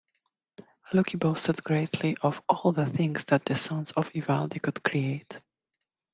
Loki boasted greatly of all the things that the Sons of Ivaldi could create.